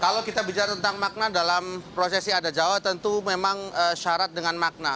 kalau kita bicara tentang makna dalam prosesi ada jawa tentu memang syarat dengan makna